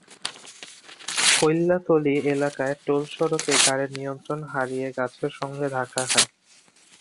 ফইল্ল্যাতলী এলাকায় টোল সড়কে গাড়ি নিয়ন্ত্রণ হারিয়ে গাছের সঙ্গে ধাক্কা খায়।